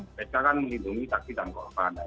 lpsk kan melindungi taksi dan korban